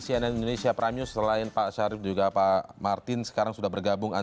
tadi kita berulang kali begitu ya